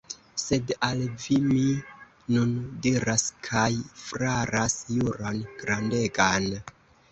Sed al vi mi nun diras kaj faras ĵuron grandegan.